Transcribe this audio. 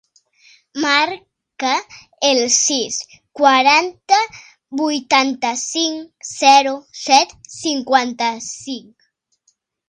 Marca el sis, quaranta, vuitanta-cinc, zero, set, cinquanta-cinc.